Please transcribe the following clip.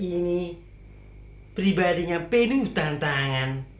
ini pribadinya penuh tantangan